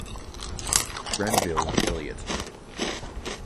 Granville Elliott.